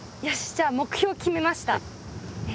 よしじゃあ目標決めました。